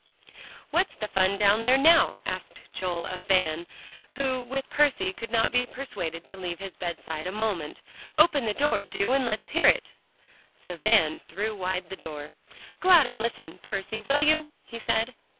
"What's the fun down there now?" asked Joel of Van, who with Percy could not be persuaded to leave his bedside a moment, "open the door, do, and let's hear it." So Van threw wide the door. "Go out and listen, Percy, will you?" he said.